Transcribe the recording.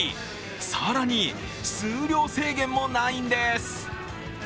更に数量制限もないんです！